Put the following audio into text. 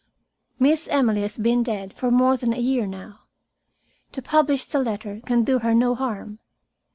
Miss Emily has been dead for more than a year now. To publish the letter can do her no harm.